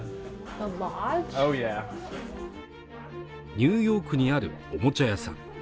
ニューヨークにあるおもちゃ屋さん